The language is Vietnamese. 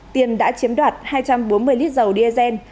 tiền đã chiếm đoạt hai trăm bốn mươi lít dầu diesel